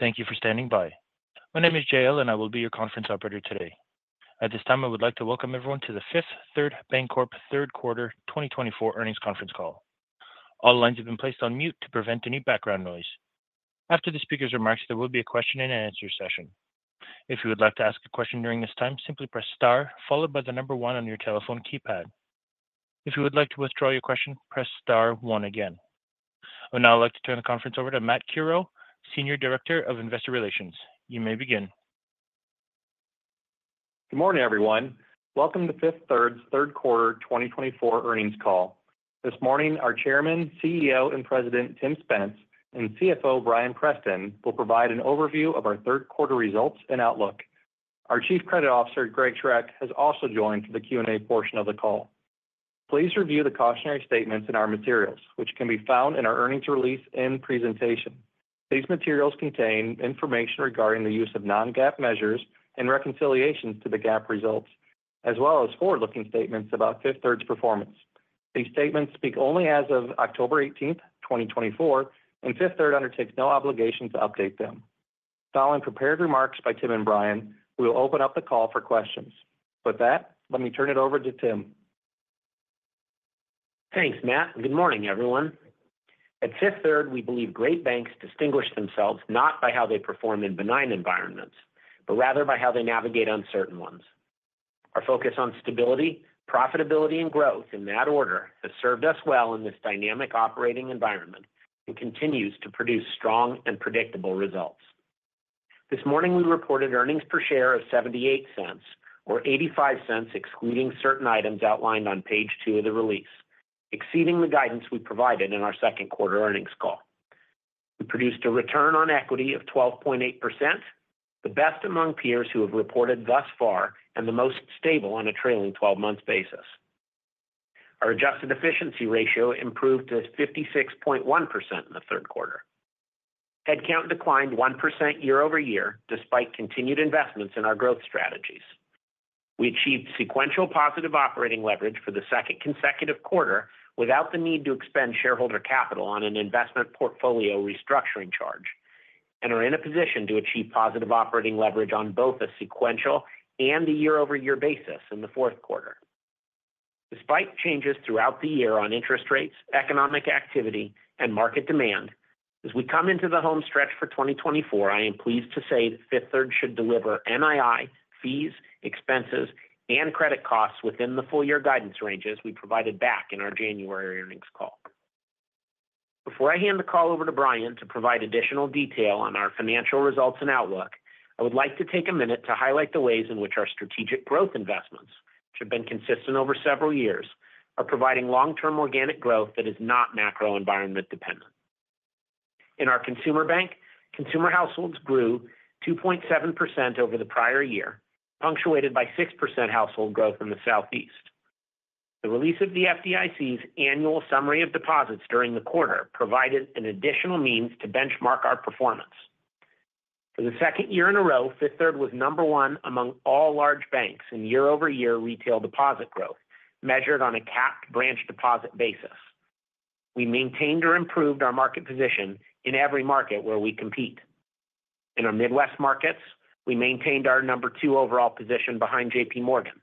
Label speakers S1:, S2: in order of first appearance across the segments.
S1: Thank you for standing by. My name is Joelle, and I will be your conference operator today. At this time, I would like to welcome everyone to the Fifth Third Bancorp third quarter twenty twenty-four earnings conference call. All lines have been placed on mute to prevent any background noise. After the speaker's remarks, there will be a question-and-answer session. If you would like to ask a question during this time, simply press star followed by the number one on your telephone keypad. If you would like to withdraw your question, press star one again. I would now like to turn the conference over to Matt Curoe, Senior Director of Investor Relations. You may begin.
S2: Good morning, everyone. Welcome to Fifth Third's third quarter twenty twenty-four earnings call. This morning, our Chairman, CEO, and President, Tim Spence, and CFO, Bryan Preston, will provide an overview of our third quarter results and outlook. Our Chief Credit Officer, Greg Schroeck, has also joined for the Q&A portion of the call. Please review the cautionary statements in our materials, which can be found in our earnings release and presentation. These materials contain information regarding the use of non-GAAP measures and reconciliations to the GAAP results, as well as forward-looking statements about Fifth Third's performance. These statements speak only as of October eighteenth, twenty twenty-four, and Fifth Third undertakes no obligation to update them. Following prepared remarks by Tim and Bryan, we will open up the call for questions. With that, let me turn it over to Tim.
S3: Thanks, Matt, and good morning, everyone. At Fifth Third, we believe great banks distinguish themselves not by how they perform in benign environments, but rather by how they navigate uncertain ones. Our focus on stability, profitability, and growth in that order has served us well in this dynamic operating environment and continues to produce strong and predictable results. This morning, we reported earnings per share of $0.78 or $0.85, excluding certain items outlined on page two of the release, exceeding the guidance we provided in our second quarter earnings call. We produced a return on equity of 12.8%, the best among peers who have reported thus far and the most stable on a trailing twelve-month basis. Our adjusted efficiency ratio improved to 56.1% in the third quarter. Headcount declined 1% year over year, despite continued investments in our growth strategies. We achieved sequential positive operating leverage for the second consecutive quarter without the need to expend shareholder capital on an investment portfolio restructuring charge and are in a position to achieve positive operating leverage on both a sequential and a year-over-year basis in the fourth quarter. Despite changes throughout the year on interest rates, economic activity, and market demand, as we come into the home stretch for twenty twenty-four, I am pleased to say that Fifth Third should deliver NII, fees, expenses, and credit costs within the full-year guidance ranges we provided back in our January earnings call. Before I hand the call over to Bryan to provide additional detail on our financial results and outlook, I would like to take a minute to highlight the ways in which our strategic growth investments, which have been consistent over several years, are providing long-term organic growth that is not macro environment dependent. In our consumer bank, consumer households grew 2.7% over the prior year, punctuated by 6% household growth in the Southeast. The release of the FDIC's annual Summary of Deposits during the quarter provided an additional means to benchmark our performance. For the second year in a row, Fifth Third was number one among all large banks in year-over-year retail deposit growth, measured on a capped branch deposit basis. We maintained or improved our market position in every market where we compete. In our Midwest markets, we maintained our number 2 overall position behind JPMorgan.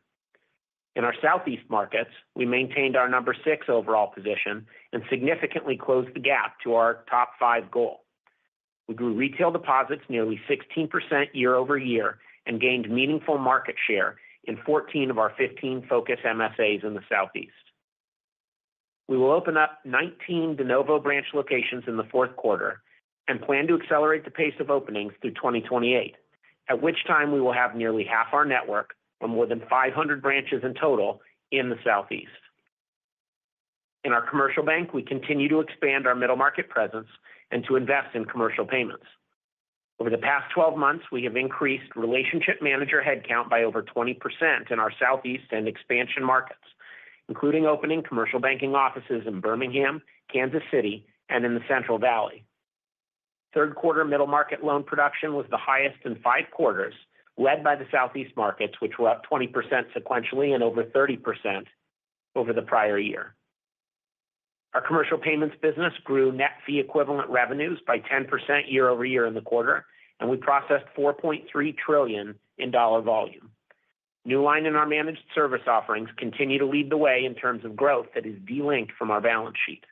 S3: In our Southeast markets, we maintained our number 6 overall position and significantly closed the gap to our top five goal. We grew retail deposits nearly 16% year over year and gained meaningful market share in 14 of our 15 focus MSAs in the Southeast. We will open up 19 de novo branch locations in the fourth quarter and plan to accelerate the pace of openings through 2028, at which time we will have nearly half our network or more than 500 branches in total in the Southeast. In our commercial bank, we continue to expand our middle market presence and to invest in commercial payments. Over the past twelve months, we have increased relationship manager headcount by over 20% in our Southeast and expansion markets, including opening commercial banking offices in Birmingham, Kansas City, and in the Central Valley. Third quarter middle market loan production was the highest in five quarters, led by the Southeast markets, which were up 20% sequentially and over 30% over the prior year. Our commercial payments business grew net fee equivalent revenues by 10% year over year in the quarter, and we processed $4.3 trillion in dollar volume. Newline and our managed service offerings continue to lead the way in terms of growth that is delinked from our balance sheet.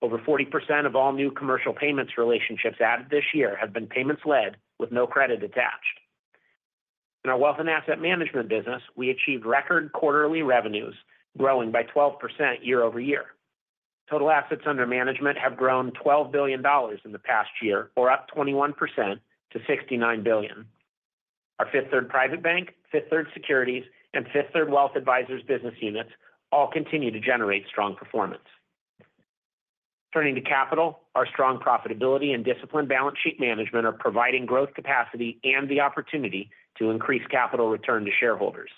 S3: Over 40% of all new commercial payments relationships added this year have been payments-led with no credit attached. In our wealth and asset management business, we achieved record quarterly revenues growing by 12% year over year. Total assets under management have grown $12 billion in the past year, or up 21% to $69 billion. Our Fifth Third Private Bank, Fifth Third Securities, and Fifth Third Wealth Advisors business units all continue to generate strong performance. Turning to capital, our strong profitability and disciplined balance sheet management are providing growth capacity and the opportunity to increase capital return to shareholders.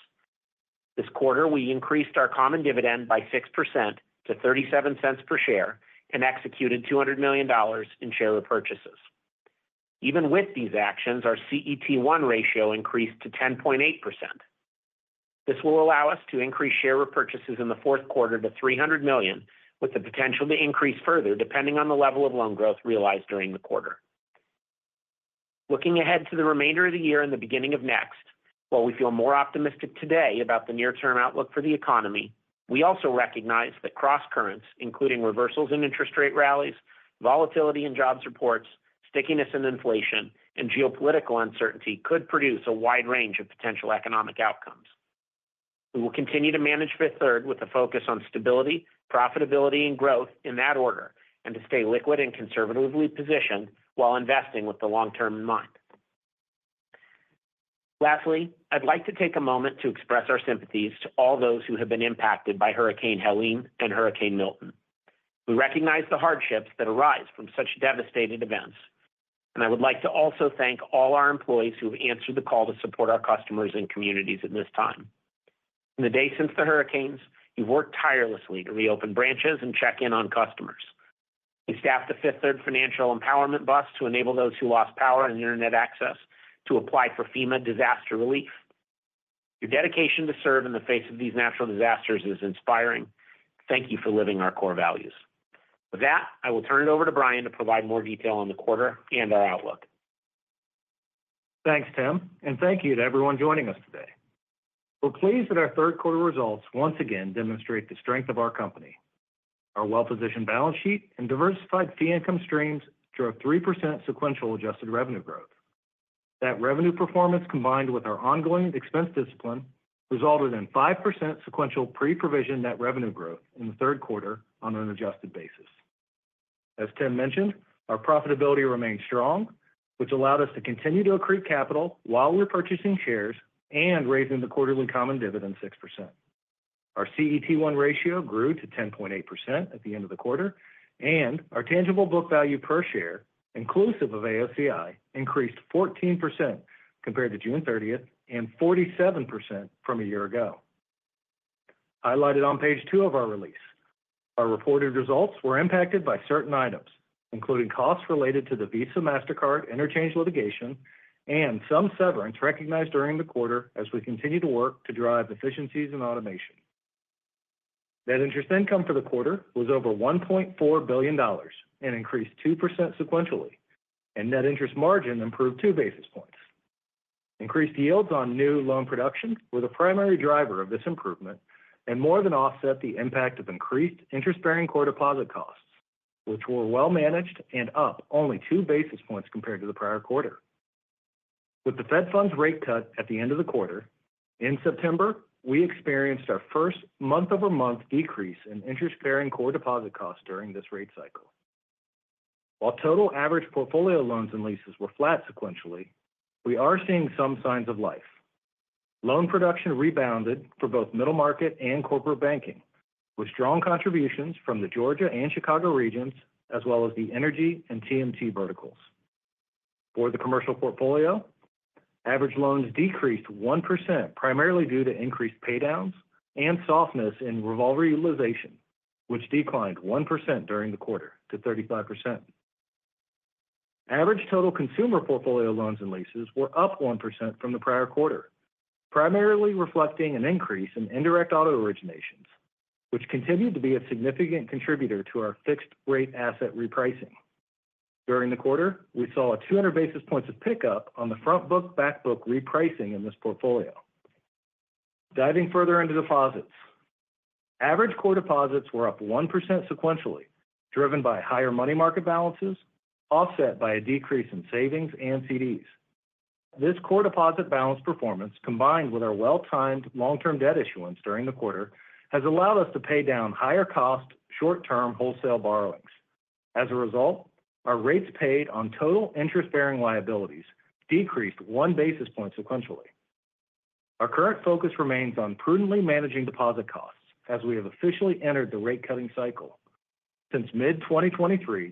S3: This quarter, we increased our common dividend by 6% to $0.37 per share and executed $200 million in share repurchases. Even with these actions, our CET1 ratio increased to 10.8%. This will allow us to increase share repurchases in the fourth quarter to $300 million, with the potential to increase further, depending on the level of loan growth realized during the quarter. Looking ahead to the remainder of the year and the beginning of next, while we feel more optimistic today about the near-term outlook for the economy, we also recognize that crosscurrents, including reversals in interest rate rallies, volatility in jobs reports, stickiness in inflation, and geopolitical uncertainty could produce a wide range of potential economic outcomes. We will continue to manage Fifth Third with a focus on stability, profitability, and growth in that order, and to stay liquid and conservatively positioned while investing with the long term in mind. Lastly, I'd like to take a moment to express our sympathies to all those who have been impacted by Hurricane Helene and Hurricane Milton. We recognize the hardships that arise from such devastating events, and I would like to also thank all our employees who have answered the call to support our customers and communities at this time. In the days since the hurricanes, you've worked tirelessly to reopen branches and check in on customers. You staffed the Fifth Third Financial Empowerment Bus to enable those who lost power and internet access to apply for FEMA disaster relief. Your dedication to serve in the face of these natural disasters is inspiring. Thank you for living our core values. With that, I will turn it over to Bryan to provide more detail on the quarter and our outlook.
S4: Thanks, Tim, and thank you to everyone joining us today. We're pleased that our third quarter results once again demonstrate the strength of our company. Our well-positioned balance sheet and diversified fee income streams drove 3% sequential adjusted revenue growth. That revenue performance, combined with our ongoing expense discipline, resulted in 5% sequential pre-provision net revenue growth in the third quarter on an adjusted basis. As Tim mentioned, our profitability remains strong, which allowed us to continue to accrue capital while we're purchasing shares and raising the quarterly common dividend 6%. Our CET1 ratio grew to 10.8% at the end of the quarter, and our tangible book value per share, inclusive of AOCI, increased 14% compared to June thirtieth and 47% from a year ago. Highlighted on page two of our release, our reported results were impacted by certain items, including costs related to the Visa, Mastercard interchange litigation and some severance recognized during the quarter as we continue to work to drive efficiencies and automation. Net interest income for the quarter was over $1.4 billion and increased 2% sequentially, and net interest margin improved two basis points. Increased yields on new loan production were the primary driver of this improvement and more than offset the impact of increased interest-bearing core deposit costs, which were well managed and up only two basis points compared to the prior quarter. With the Fed funds rate cut at the end of the quarter, in September, we experienced our first month-over-month decrease in interest-bearing core deposit costs during this rate cycle. While total average portfolio loans and leases were flat sequentially, we are seeing some signs of life. Loan production rebounded for both middle market and corporate banking, with strong contributions from the Georgia and Chicago regions, as well as the energy and TMT verticals. For the commercial portfolio, average loans decreased 1%, primarily due to increased paydowns and softness in revolver utilization, which declined 1% during the quarter to 35%. Average total consumer portfolio loans and leases were up 1% from the prior quarter, primarily reflecting an increase in indirect auto originations, which continued to be a significant contributor to our fixed rate asset repricing. During the quarter, we saw a 200 basis points of pickup on the front book, back book repricing in this portfolio. Diving further into deposits. Average core deposits were up 1% sequentially, driven by higher money market balances, offset by a decrease in savings and CDs. This core deposit balance performance, combined with our well-timed long-term debt issuance during the quarter, has allowed us to pay down higher cost, short-term wholesale borrowings. As a result, our rates paid on total interest-bearing liabilities decreased one basis point sequentially. Our current focus remains on prudently managing deposit costs as we have officially entered the rate cutting cycle. Since mid-2023,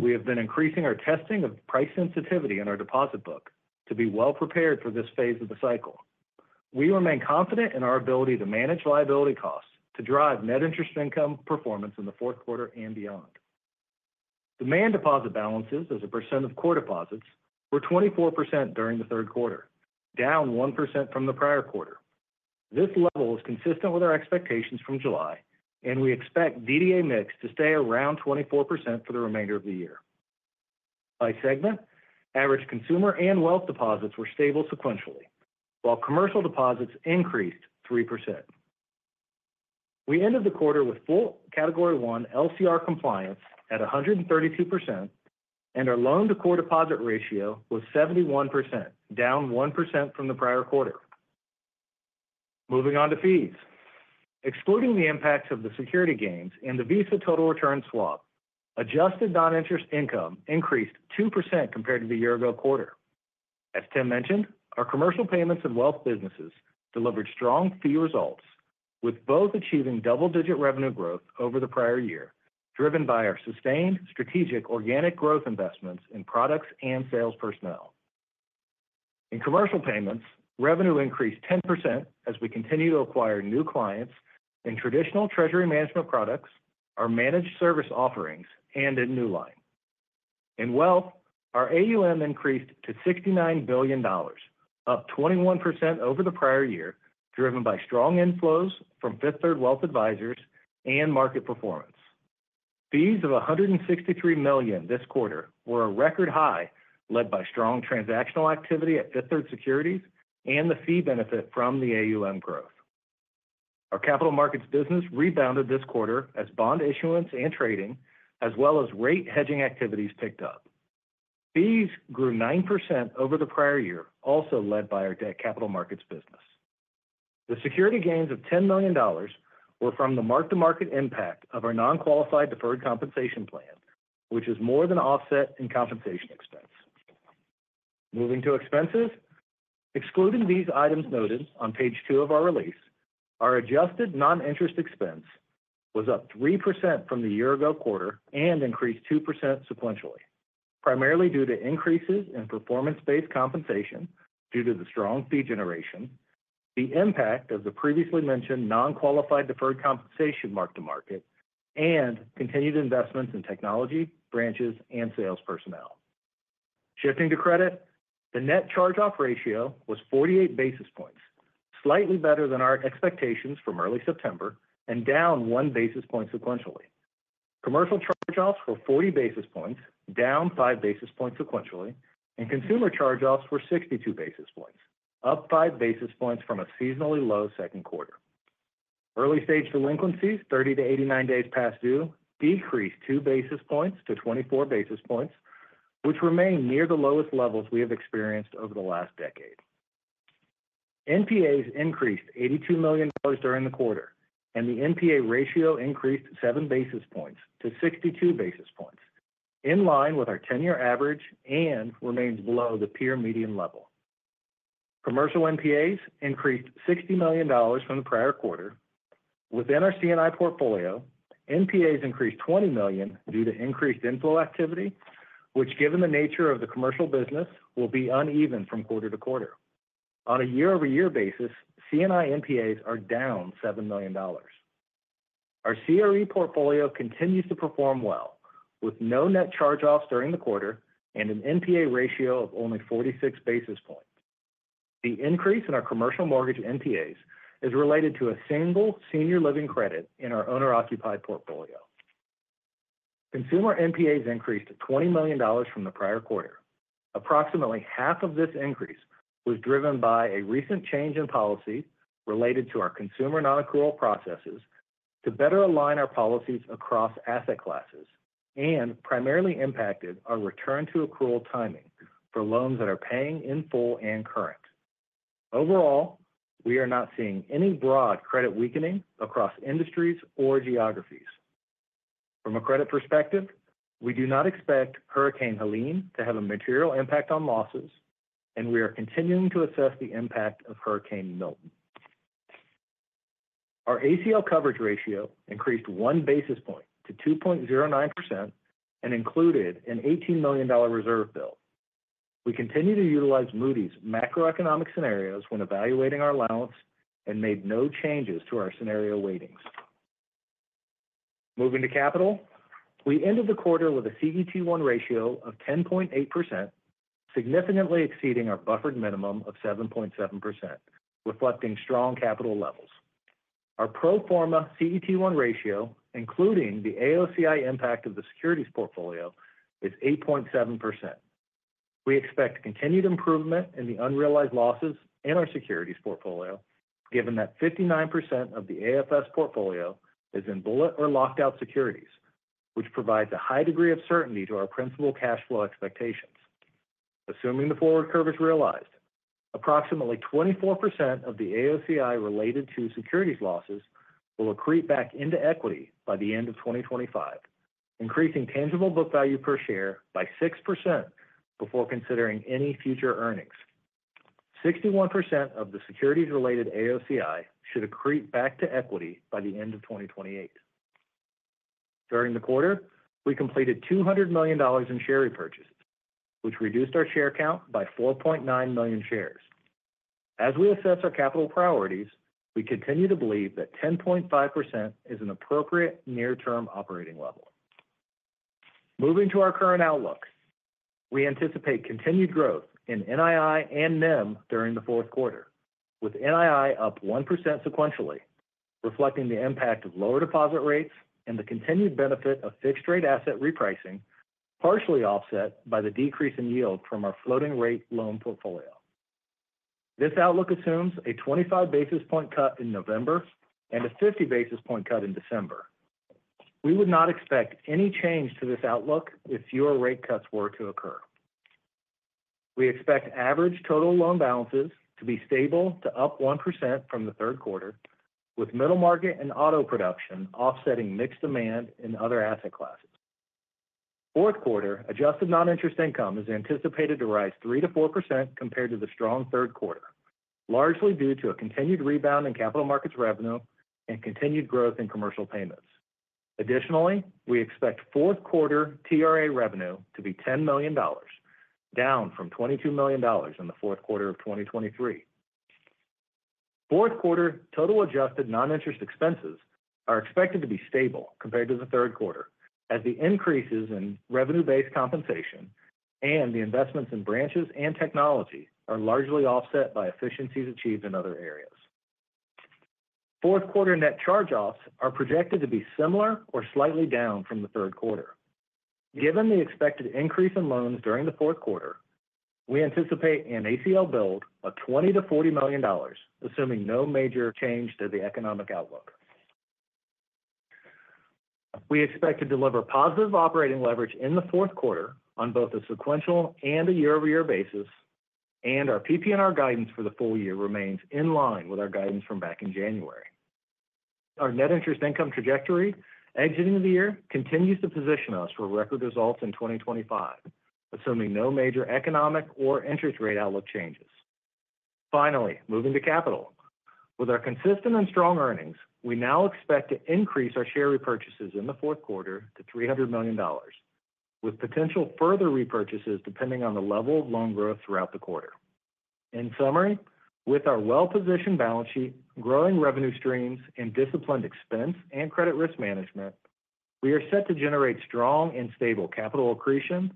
S4: we have been increasing our testing of price sensitivity in our deposit book to be well prepared for this phase of the cycle. We remain confident in our ability to manage liability costs to drive net interest income performance in the fourth quarter and beyond. Demand deposit balances as a percent of core deposits were 24% during the third quarter, down 1% from the prior quarter. This level is consistent with our expectations from July, and we expect DDA mix to stay around 24% for the remainder of the year. By segment, average consumer and wealth deposits were stable sequentially, while commercial deposits increased 3%. We ended the quarter with full Category I LCR compliance at 132%, and our loan to core deposit ratio was 71%, down 1% from the prior quarter. Moving on to fees. Excluding the impacts of the security gains and the Visa total return swap, adjusted non-interest income increased 2% compared to the year ago quarter. As Tim mentioned, our commercial payments and wealth businesses delivered strong fee results, with both achieving double-digit revenue growth over the prior year, driven by our sustained strategic organic growth investments in products and sales personnel. In commercial payments, revenue increased 10% as we continue to acquire new clients in traditional treasury management products, our managed service offerings, and in Newline. In wealth, our AUM increased to $69 billion, up 21% over the prior year, driven by strong inflows from Fifth Third Wealth Advisors and market performance. Fees of $163 million this quarter were a record high, led by strong transactional activity at Fifth Third Securities and the fee benefit from the AUM growth. Our capital markets business rebounded this quarter as bond issuance and trading, as well as rate hedging activities picked up. Fees grew 9% over the prior year, also led by our debt capital markets business. The security gains of $10 million were from the mark-to-market impact of our non-qualified deferred compensation plan, which is more than offset in compensation expense. Moving to expenses. Excluding these items noted on page 2 of our release, our adjusted non-interest expense was up 3% from the year ago quarter and increased 2% sequentially, primarily due to increases in performance-based compensation due to the strong fee generation, the impact of the previously mentioned non-qualified deferred compensation mark-to-market, and continued investments in technology, branches, and sales personnel. Shifting to credit, the net charge-off ratio was 48 basis points, slightly better than our expectations from early September and down 1 basis point sequentially. Commercial charge-offs were 40 basis points, down five basis points sequentially, and consumer charge-offs were 62 basis points, up five basis points from a seasonally low second quarter. Early stage delinquencies, 30-89 days past due, decreased two basis points to 24 basis points, which remain near the lowest levels we have experienced over the last decade. NPAs increased $82 million during the quarter, and the NPA ratio increased seven basis points to 62 basis points, in line with our 10-year average and remains below the peer median level. Commercial NPAs increased $60 million from the prior quarter. Within our C&I portfolio, NPAs increased $20 million due to increased inflow activity, which, given the nature of the commercial business, will be uneven from quarter to quarter. On a year-over-year basis, C&I NPAs are down $7 million. Our CRE portfolio continues to perform well, with no net charge-offs during the quarter and an NPA ratio of only 46 basis points. The increase in our commercial mortgage NPAs is related to a single senior living credit in our owner-occupied portfolio. Consumer NPAs increased to $20 million from the prior quarter. Approximately half of this increase was driven by a recent change in policy related to our consumer non-accrual processes to better align our policies across asset classes and primarily impacted our return to accrual timing for loans that are paying in full and current. Overall, we are not seeing any broad credit weakening across industries or geographies. From a credit perspective, we do not expect Hurricane Helene to have a material impact on losses, and we are continuing to assess the impact of Hurricane Milton. Our ACL coverage ratio increased one basis point to 2.09% and included an $18 million reserve build. We continue to utilize Moody's macroeconomic scenarios when evaluating our allowance and made no changes to our scenario weightings. Moving to capital, we ended the quarter with a CET1 ratio of 10.8%, significantly exceeding our buffered minimum of 7.7%, reflecting strong capital levels. Our pro forma CET1 ratio, including the AOCI impact of the securities portfolio, is 8.7%. We expect continued improvement in the unrealized losses in our securities portfolio, given that 59% of the AFS portfolio is in bullet or locked out securities, which provides a high degree of certainty to our principal cash flow expectations. Assuming the forward curve is realized, approximately 24% of the AOCI related to securities losses will accrete back into equity by the end of 2025, increasing tangible book value per share by 6% before considering any future earnings. Sixty-one percent of the securities-related AOCI should accrete back to equity by the end of 2028. During the quarter, we completed $200 million in share repurchases, which reduced our share count by 4.9 million shares. As we assess our capital priorities, we continue to believe that 10.5% is an appropriate near-term operating level. Moving to our current outlook, we anticipate continued growth in NII and NIM during the fourth quarter, with NII up 1% sequentially, reflecting the impact of lower deposit rates and the continued benefit of fixed-rate asset repricing, partially offset by the decrease in yield from our floating-rate loan portfolio. This outlook assumes a twenty-five basis points cut in November and a fifty basis points cut in December. We would not expect any change to this outlook if fewer rate cuts were to occur. We expect average total loan balances to be stable to up 1% from the third quarter, with middle market and auto production offsetting mixed demand in other asset classes. Fourth quarter adjusted non-interest income is anticipated to rise 3%-4% compared to the strong third quarter, largely due to a continued rebound in capital markets revenue and continued growth in commercial payments. Additionally, we expect fourth quarter TRA revenue to be $10 million, down from $22 million in the fourth quarter of 2023. Fourth quarter total adjusted non-interest expenses are expected to be stable compared to the third quarter, as the increases in revenue-based compensation and the investments in branches and technology are largely offset by efficiencies achieved in other areas. Fourth quarter net charge-offs are projected to be similar or slightly down from the third quarter. Given the expected increase in loans during the fourth quarter, we anticipate an ACL build of $20 million-$40 million, assuming no major change to the economic outlook. We expect to deliver positive operating leverage in the fourth quarter on both a sequential and a year-over-year basis, and our PPNR guidance for the full year remains in line with our guidance from back in January. Our net interest income trajectory exiting the year continues to position us for record results in 2025, assuming no major economic or interest rate outlook changes. Finally, moving to capital. With our consistent and strong earnings, we now expect to increase our share repurchases in the fourth quarter to $300 million, with potential further repurchases depending on the level of loan growth throughout the quarter. In summary, with our well-positioned balance sheet, growing revenue streams, and disciplined expense and credit risk management, we are set to generate strong and stable capital accretion,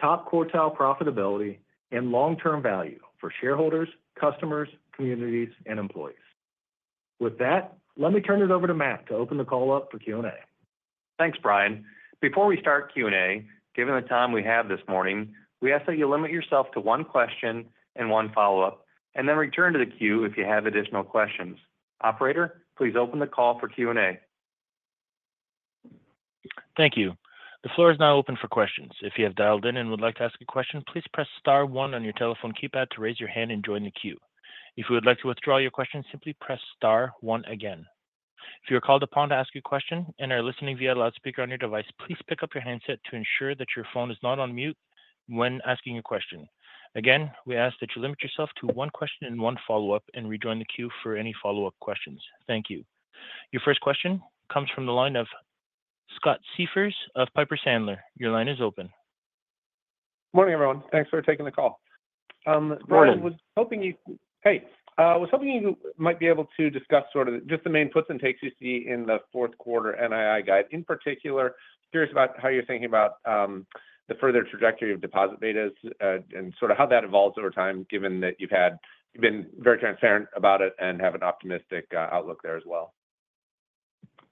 S4: top-quartile profitability, and long-term value for shareholders, customers, communities, and employees. With that, let me turn it over to Matt to open the call up for Q&A.
S2: Thanks, Bryan. Before we start Q&A, given the time we have this morning, we ask that you limit yourself to one question and one follow-up, and then return to the queue if you have additional questions. Operator, please open the call for Q&A.
S1: Thank you. The floor is now open for questions. If you have dialed in and would like to ask a question, please press star one on your telephone keypad to raise your hand and join the queue. If you would like to withdraw your question, simply press star one again. If you are called upon to ask a question and are listening via loudspeaker on your device, please pick up your handset to ensure that your phone is not on mute when asking a question. Again, we ask that you limit yourself to one question and one follow-up, and rejoin the queue for any follow-up questions. Thank you. Your first question comes from the line of Scott Siefers of Piper Sandler. Your line is open.
S5: Morning, everyone. Thanks for taking the call.
S4: Morning.
S5: Bryan, I was hoping you might be able to discuss sort of just the main puts and takes you see in the fourth quarter NII guide. In particular, curious about how you're thinking about the further trajectory of deposit betas, and sort of how that evolves over time, given that you've been very transparent about it and have an optimistic outlook there as well.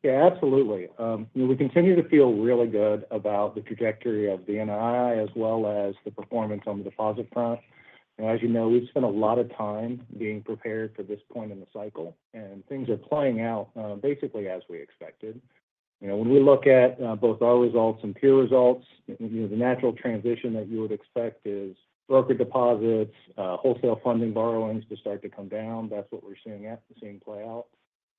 S4: Yeah, absolutely. We continue to feel really good about the trajectory of the NII, as well as the performance on the deposit front. And as you know, we've spent a lot of time being prepared for this point in the cycle, and things are playing out basically as we expected. You know, when we look at both our results and peer results, you know, the natural transition that you would expect is broker deposits, wholesale funding borrowings to start to come down. That's what we're seeing play out.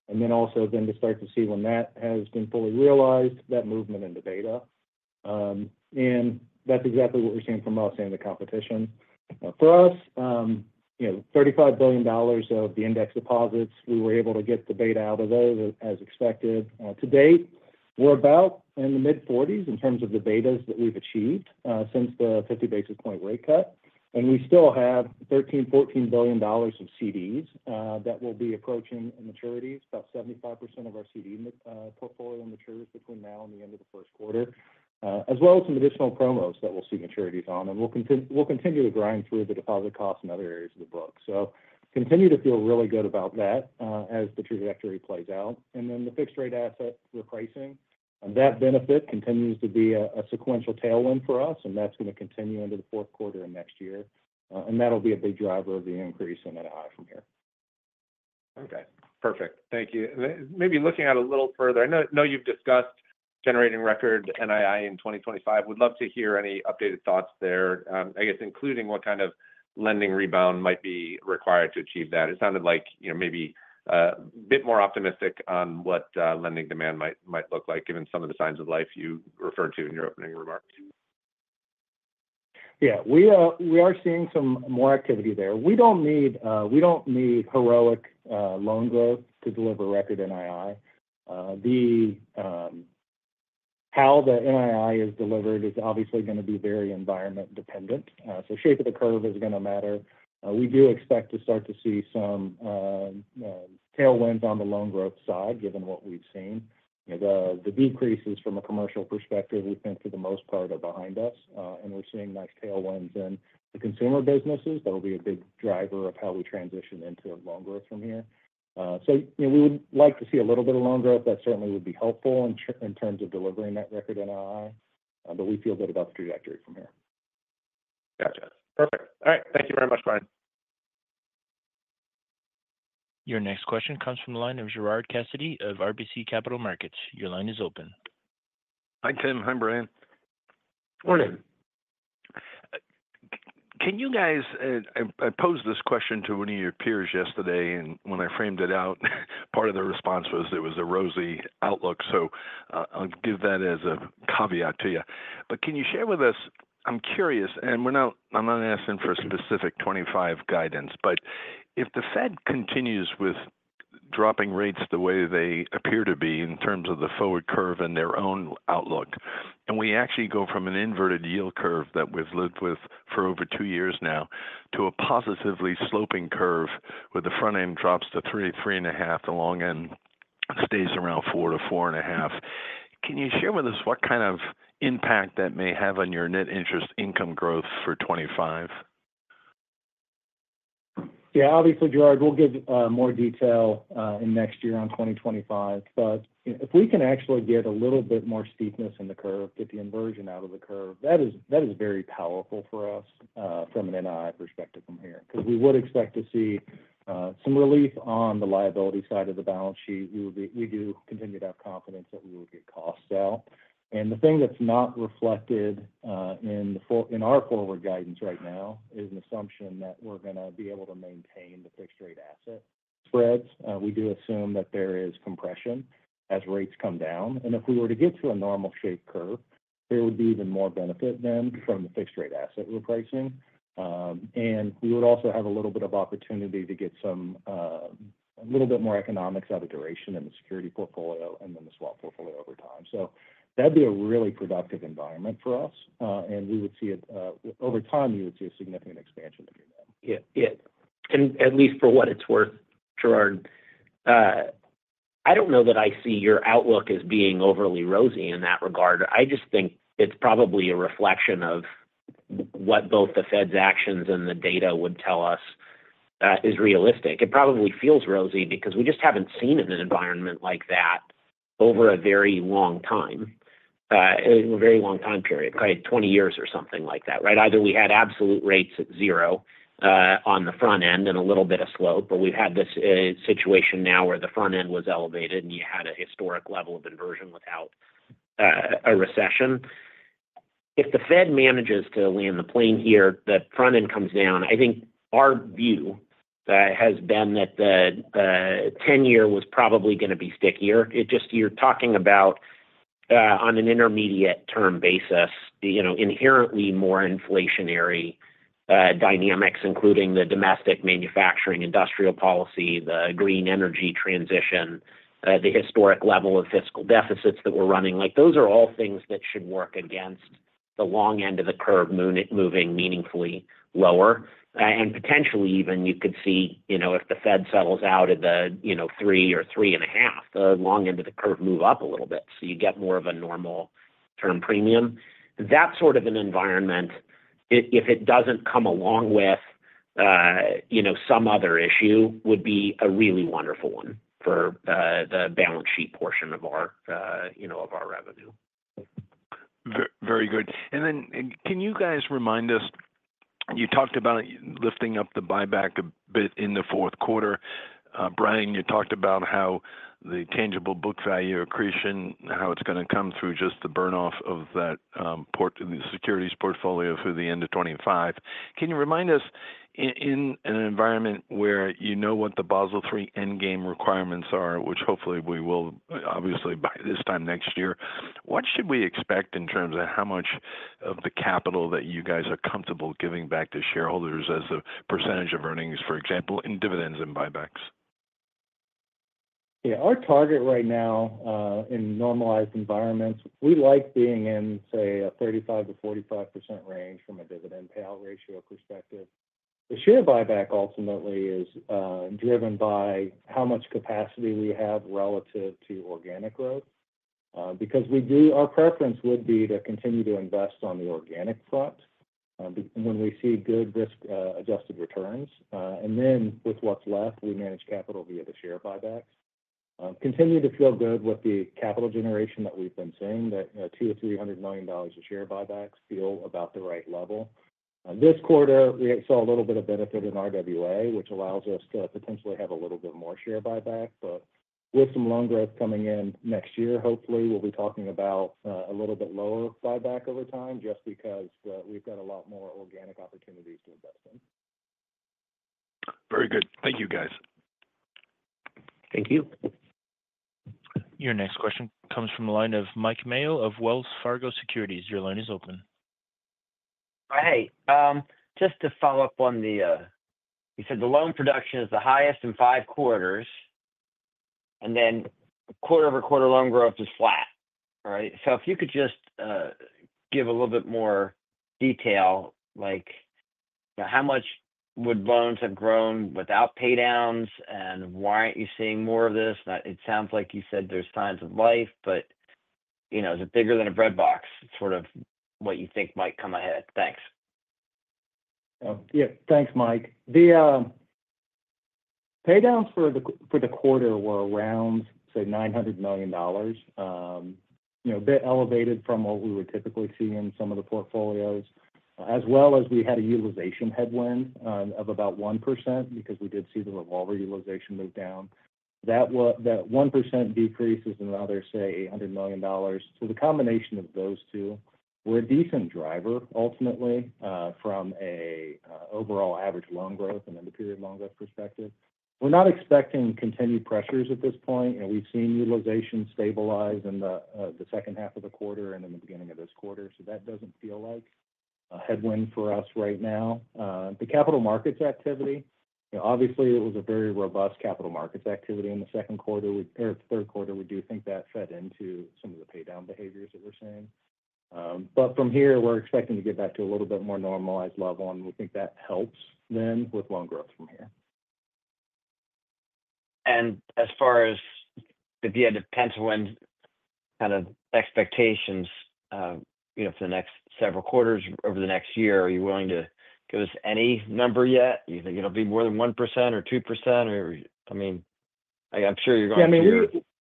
S4: And then also then to start to see when that has been fully realized, that movement in the beta. And that's exactly what we're seeing from us and the competition. For us, you know, $35 billion of the index deposits, we were able to get the beta out of those as expected. To date, we're about in the mid-40s in terms of the betas that we've achieved since the 50 basis point rate cut. And we still have $13-$14 billion of CDs that will be approaching maturities. About 75% of our CD portfolio matures between now and the end of the first quarter, as well as some additional promos that we'll see maturities on. And we'll continue to grind through the deposit costs in other areas of the book. So continue to feel really good about that as the trajectory plays out. And then the fixed-rate asset repricing, and that benefit continues to be a sequential tailwind for us, and that's going to continue into the fourth quarter of next year. And that'll be a big driver of the increase in NII from here.
S5: Okay, perfect. Thank you. Maybe looking out a little further, I know you've discussed generating record NII in twenty twenty-five. Would love to hear any updated thoughts there, I guess including what kind of lending rebound might be required to achieve that. It sounded like, you know, maybe a bit more optimistic on what lending demand might look like, given some of the signs of life you referred to in your opening remarks.
S4: Yeah. We are seeing some more activity there. We don't need heroic loan growth to deliver record NII. How the NII is delivered is obviously gonna be very environment dependent, so shape of the curve is gonna matter. We do expect to start to see some tailwinds on the loan growth side, given what we've seen. You know, the decreases from a commercial perspective, we think, for the most part, are behind us, and we're seeing nice tailwinds in the consumer businesses. That will be a big driver of how we transition into loan growth from here. So, you know, we would like to see a little bit of loan growth. That certainly would be helpful in terms of delivering that record NII, but we feel good about the trajectory from here.
S5: Gotcha. Perfect. All right. Thank you very much, Bryan.
S1: Your next question comes from the line of Gerard Cassidy of RBC Capital Markets. Your line is open.
S6: Hi, Tim. Hi, Bryan.
S4: Morning.
S6: Can you guys... I posed this question to one of your peers yesterday, and when I framed it out, part of the response was it was a rosy outlook, so I'll give that as a caveat to you. But can you share with us-- I'm curious, and we're not-- I'm not asking for specific 2025 guidance, but if the Fed continues with-... dropping rates the way they appear to be in terms of the forward curve and their own outlook. And we actually go from an inverted yield curve that we've lived with for over two years now, to a positively sloping curve, where the front end drops to 3-3.5, the long end stays around 4-4.5. Can you share with us what kind of impact that may have on your net interest income growth for 2025?
S4: Yeah, obviously, Gerard, we'll give more detail in next year on 2025. But if we can actually get a little bit more steepness in the curve, get the inversion out of the curve, that is very powerful for us from an NII perspective from here. 'Cause we would expect to see some relief on the liability side of the balance sheet. We do continue to have confidence that we will get costs out. And the thing that's not reflected in our forward guidance right now is an assumption that we're gonna be able to maintain the fixed rate asset spreads. We do assume that there is compression as rates come down, and if we were to get to a normal shape curve, there would be even more benefit then from the fixed rate asset repricing. and we would also have a little bit of opportunity to get some, a little bit more economics out of duration in the security portfolio and then the swap portfolio over time. So that'd be a really productive environment for us, and we would see it, over time, you would see a significant expansion if you did.
S3: Yeah, yeah. And at least for what it's worth, Gerard, I don't know that I see your outlook as being overly rosy in that regard. I just think it's probably a reflection of what both the Fed's actions and the data would tell us is realistic. It probably feels rosy because we just haven't seen an environment like that over a very long time, a very long time period, probably twenty years or something like that, right? Either we had absolute rates at zero on the front end and a little bit of slope, but we've had this situation now where the front end was elevated, and you had a historic level of inversion without a recession. If the Fed manages to land the plane here, the front end comes down. I think our view has been that the ten-year was probably going to be stickier. It just you're talking about on an intermediate-term basis, you know, inherently more inflationary dynamics, including the domestic manufacturing, industrial policy, the green energy transition, the historic level of fiscal deficits that we're running. Like, those are all things that should work against the long end of the curve moving meaningfully lower. And potentially even you could see, you know, if the Fed settles out at the you know, three or three and a half, the long end of the curve move up a little bit, so you get more of a normal term premium. That sort of an environment, if it doesn't come along with, you know, some other issue, would be a really wonderful one for the balance sheet portion of our, you know, of our revenue.
S6: Very good. And then can you guys remind us, you talked about lifting up the buyback a bit in the fourth quarter. Bryan, you talked about how the tangible book value accretion, how it's going to come through just the burn off of that, the securities portfolio through the end of 2025. Can you remind us in an environment where you know what the Basel III Endgame requirements are, which hopefully we will, obviously, by this time next year, what should we expect in terms of how much of the capital that you guys are comfortable giving back to shareholders as a percentage of earnings, for example, in dividends and buybacks?
S4: Yeah. Our target right now, in normalized environments, we like being in, say, a 35%-45% range from a dividend payout ratio perspective. The share buyback ultimately is, driven by how much capacity we have relative to organic growth, because we do our preference would be to continue to invest on the organic front, when we see good risk adjusted returns. And then with what's left, we manage capital via the share buybacks. Continue to feel good with the capital generation that we've been seeing, that, $200 million-$300 million in share buybacks feel about the right level. This quarter, we saw a little bit of benefit in RWA, which allows us to potentially have a little bit more share buyback. But with some loan growth coming in next year, hopefully we'll be talking about a little bit lower buyback over time, just because we've got a lot more organic opportunities to invest in.
S6: Very good. Thank you, guys.
S3: Thank you.
S1: Your next question comes from the line of Mike Mayo of Wells Fargo Securities. Your line is open.
S7: Hey, just to follow up on the... You said the loan production is the highest in five quarters, and then quarter over quarter loan growth is flat, right? So if you could just give a little bit more detail, like how much would loans have grown without pay downs, and why aren't you seeing more of this? That it sounds like you said there's signs of life, but, you know, is it bigger than a breadbox, sort of what you think might come ahead? Thanks.
S4: Yeah. Thanks, Mike. The paydowns for the quarter were around, say, $900 million. You know, a bit elevated from what we would typically see in some of the portfolios, as well as we had a utilization headwind of about 1% because we did see the revolver utilization move down. That one percent decrease is another, say, $800 million. So the combination of those two were a decent driver, ultimately, from a overall average loan growth and then the period loan growth perspective. We're not expecting continued pressures at this point. You know, we've seen utilization stabilize in the second half of the quarter and in the beginning of this quarter, so that doesn't feel like a headwind for us right now. The capital markets activity, obviously, it was a very robust capital markets activity in the second quarter. Third quarter, we do think that fed into some of the paydown behaviors that we're seeing. But from here, we're expecting to get back to a little bit more normalized level, and we think that helps then with loan growth from here.
S3: As far as the penciled-in kind of expectations, you know, for the next several quarters over the next year, are you willing to give us any number yet? Do you think it'll be more than 1% or 2%? Or, I mean, I'm sure you're going to-
S4: Yeah,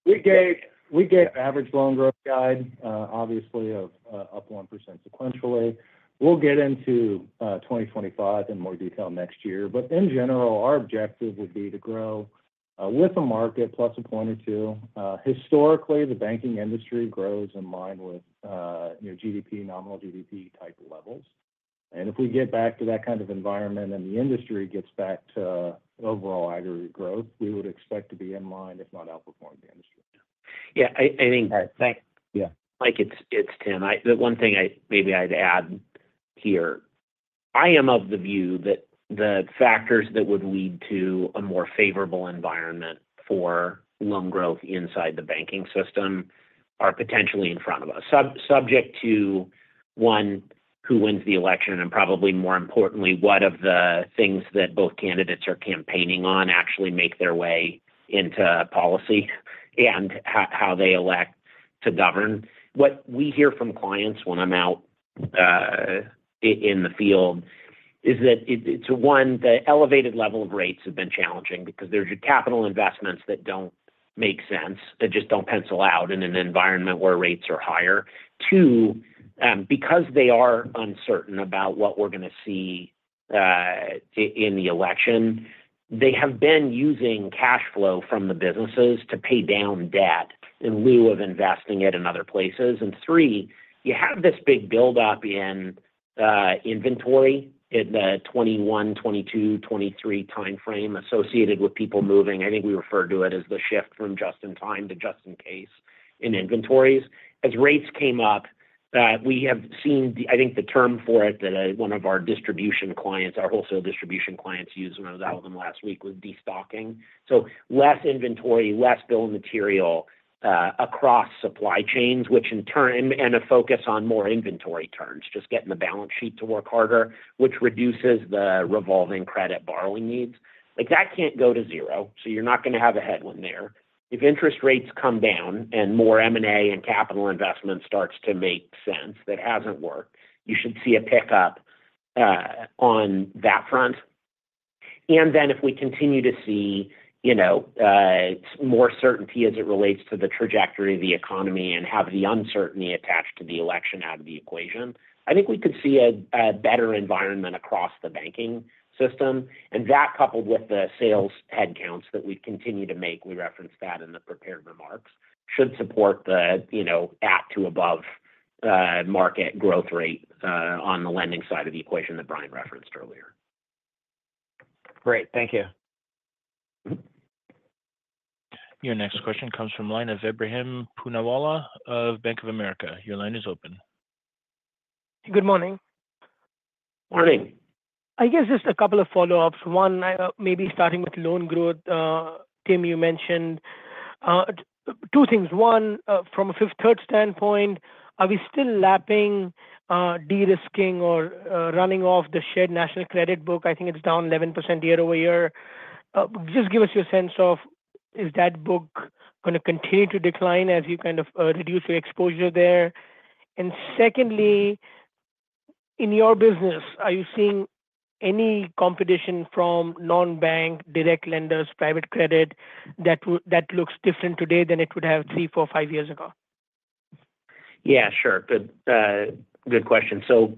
S4: I mean, we gave average loan growth guide, obviously of up 1% sequentially. We'll get into 2025 in more detail next year. But in general, our objective would be to grow with the market plus a point or two. Historically, the banking industry grows in line with, you know, GDP, nominal GDP type levels. And if we get back to that kind of environment and the industry gets back to overall aggregate growth, we would expect to be in line, if not outperforming the industry.
S3: Yeah, I think-
S4: Yeah.
S3: Mike, it's Tim. The one thing I maybe I'd add here, I am of the view that the factors that would lead to a more favorable environment for loan growth inside the banking system are potentially in front of us. Subject to, one, who wins the election, and probably more importantly, what of the things that both candidates are campaigning on actually make their way into policy and how they elect to govern. What we hear from clients when I'm out in the field is that it's one, the elevated level of rates have been challenging because there's capital investments that don't make sense, that just don't pencil out in an environment where rates are higher. Two, because they are uncertain about what we're going to see in the election, they have been using cash flow from the businesses to pay down debt in lieu of investing it in other places. And three, you have this big buildup in inventory in the 2021, 2022, 2023 time frame associated with people moving. I think we refer to it as the shift from just in time to just in case in inventories. As rates came up, we have seen the. I think the term for it that one of our distribution clients, our wholesale distribution clients use when I was out with them last week, was destocking. So less inventory, less bill of material across supply chains, which in turn and a focus on more inventory turns, just getting the balance sheet to work harder, which reduces the revolving credit borrowing needs. Like, that can't go to zero, so you're not going to have a headwind there. If interest rates come down and more M&A and capital investment starts to make sense, that hasn't worked, you should see a pickup on that front. And then if we continue to see, you know, more certainty as it relates to the trajectory of the economy and have the uncertainty attached to the election out of the equation, I think we could see a better environment across the banking system. That, coupled with the sales headcounts that we've continued to make, we referenced that in the prepared remarks, should support the, you know, at to above, market growth rate, on the lending side of the equation that Bryan referenced earlier.
S7: Great. Thank you.
S1: Your next question comes from the line of Ebrahim Poonawala of Bank of America. Your line is open.
S8: Good morning.
S3: Morning.
S8: I guess just a couple of follow-ups. One, maybe starting with loan growth. Tim, you mentioned, two things. One, from a Fifth Third standpoint, are we still lapping, de-risking or, running off the Shared National Credit book? I think it's down 11% year over year. Just give us your sense of, is that book going to continue to decline as you kind of, reduce your exposure there? And secondly, in your business, are you seeing any competition from non-bank direct lenders, private credit, that looks different today than it would have three, four, five years ago?
S3: Yeah, sure. Good, good question. So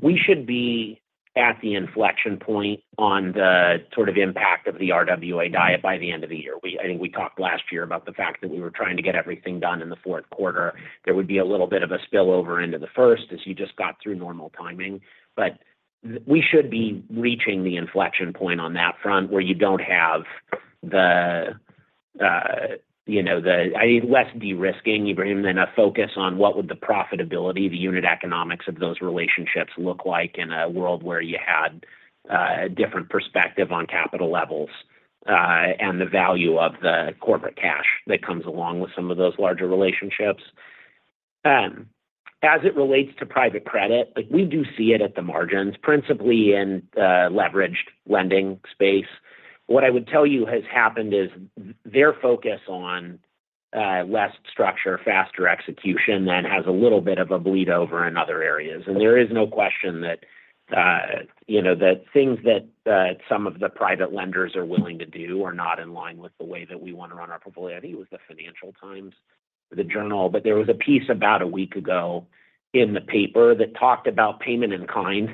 S3: we should be at the inflection point on the sort of impact of the RWA diet by the end of the year. We, I think we talked last year about the fact that we were trying to get everything done in the fourth quarter. There would be a little bit of a spill over into the first, as you just got through normal timing. But we should be reaching the inflection point on that front, where you don't have the, you know, the. I mean, less de-risking, Ebrahim, than a focus on what would the profitability, the unit economics of those relationships look like in a world where you had, a different perspective on capital levels, and the value of the corporate cash that comes along with some of those larger relationships. As it relates to private credit, like, we do see it at the margins, principally in the leveraged lending space. What I would tell you has happened is their focus on, less structure, faster execution, then has a little bit of a bleed over in other areas. And there is no question that, you know, the things that, some of the private lenders are willing to do are not in line with the way that we want to run our portfolio. I think it was the Financial Times or the Journal, but there was a piece about a week ago in the paper that talked about Payment in kind,